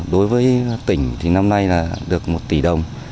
đối với tỉnh thì năm nay là được một tỷ đồng